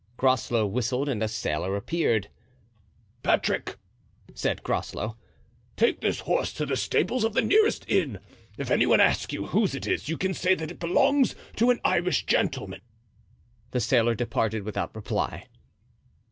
Groslow whistled and a sailor appeared. "Patrick," said Groslow, "take this horse to the stables of the nearest inn. If any one asks you whose it is you can say that it belongs to an Irish gentleman." The sailor departed without reply.